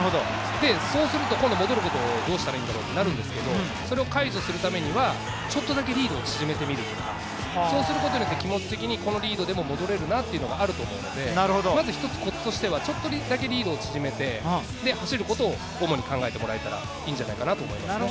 そうすると今度戻るときにどうしたらいいんだろうとなるんですけど、それを解除するためには、ちょっとだけリードを縮めてみるとか、そうすることによって気持ち的にこのリードでも戻れるなというのがあるのでまず１つ、コツとしてはちょっとだけリードを縮めて走ることを主に考えてもらえたらいいんじゃないかと思いますね。